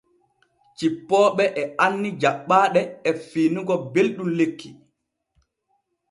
Cippooɓe e anni jaɓɓaaɗe e fiinigo belɗum lekki.